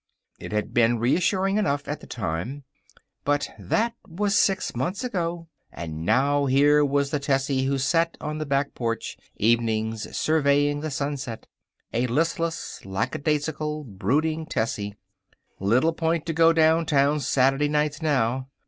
It had been reassuring enough at the time. But that was six months ago. And now here was the Tessie who sat on the back porch, evenings, surveying the sunset. A listless, lackadaisical, brooding Tessie. Little point to going downtown Saturday nights now.